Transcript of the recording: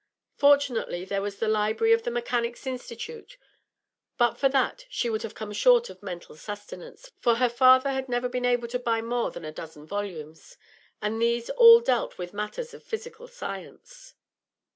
Fortunately there was the library of the Mechanics' Institute; but for that she would have come short of mental sustenance, for her father had never been able to buy mole than a dozen volumes, and these all dealt with matters of physical science.